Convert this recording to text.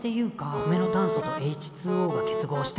米の炭素とＨＯが結合して。